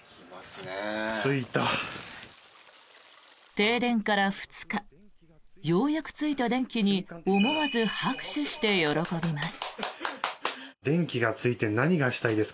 停電から２日ようやくついた電気に思わず拍手して喜びます。